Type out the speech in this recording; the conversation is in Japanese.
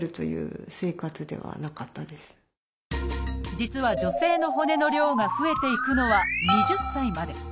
実は女性の骨の量が増えていくのは２０歳まで。